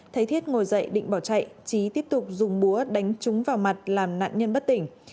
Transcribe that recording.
thấy thiết ngồi dậy định bỏ chạy trí tiếp tục dùng búa đánh trúng vào mặt làm nạn nhân bất tỉnh